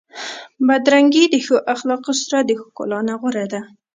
بدرنګي د ښو اخلاقو سره د ښکلا نه غوره ده.